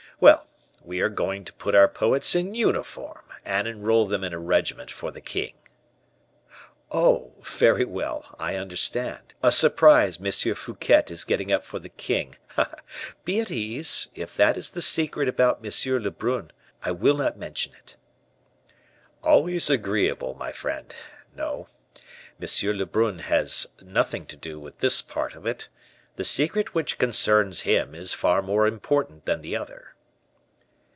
Well, we are going to put our poets in uniform, and enroll them in a regiment for the king." "Oh, very well, I understand; a surprise M. Fouquet is getting up for the king. Be at ease; if that is the secret about M. Lebrun, I will not mention it." "Always agreeable, my friend. No, Monsieur Lebrun has nothing to do with this part of it; the secret which concerns him is far more important than the other."